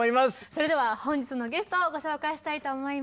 それでは本日のゲストをご紹介したいと思います。